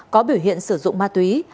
có biểu hiện sử dụng ma túy